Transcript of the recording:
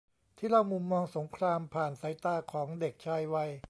ที่เล่ามุมมองสงครามผ่านสายตาของเด็กชายวัย